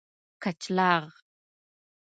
کچلاغ